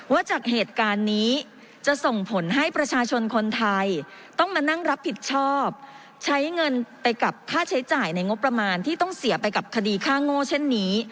ว่าจากเหตุการณ์นี้จะส่งผลให้ประชาชนคนไทยต้องมานั่งรับผิดชอบใช้เงินไปกับค่าใช้จ่ายในงบประมาณที่ต้องเสียไปกับคดีค่าโง่เช่นนี้